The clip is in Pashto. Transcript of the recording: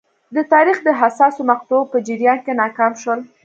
د تاریخ د حساسو مقطعو په جریان کې ناکام شول.